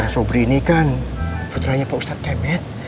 sobri ini kan putranya pak ustadz tebet